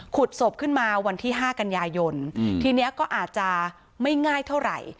ศพขึ้นมาวันที่๕กันยายนทีนี้ก็อาจจะไม่ง่ายเท่าไหร่